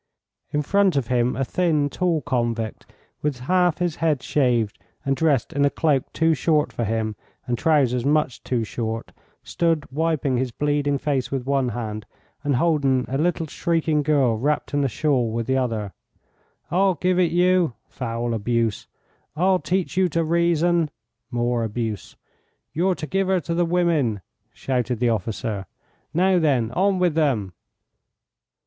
In front of him a thin, tall convict, with half his head shaved and dressed in a cloak too short for him and trousers much too short, stood wiping his bleeding face with one hand, and holding a little shrieking girl wrapped in a shawl with the other. "I'll give it you" (foul abuse); "I'll teach you to reason" (more abuse); "you're to give her to the women!" shouted the officer. "Now, then, on with them."